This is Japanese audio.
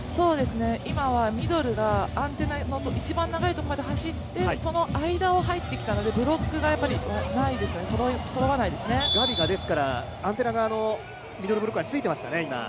今はミドルがアンテナの一番長いところまで走ってその間を入ってきたのでブロックがガビがアンテナ側のミドルブロッカーについていましたね、今。